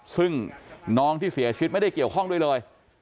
ซึ่งน้องที่เสียชีวิตไม่ได้เกี่ยวข้องด้วยเลย